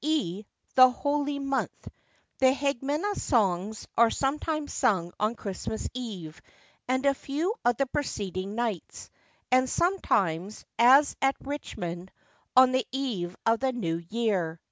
e., the holy month. The Hagmena songs are sometimes sung on Christmas Eve and a few of the preceding nights, and sometimes, as at Richmond, on the eve of the new year.